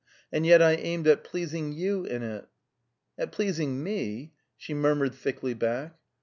"And yet I aimed at pleasing you in it." "At pleasing me?" she murmured thickly back.